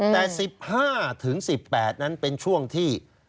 แต่๑๕๑๘นั้นเป็นช่วงที่